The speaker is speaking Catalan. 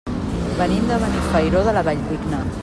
Venim de Benifairó de la Valldigna.